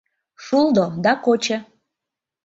Шулдо да кочо...